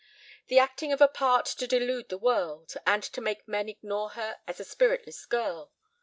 The acting of a part to delude the world, and to make men ignore her as a spiritless girl.